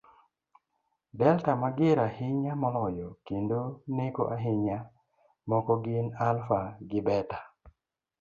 Delta mager ahinya moloyo, kendo neko ahinya, moko gin Alpha gi Beta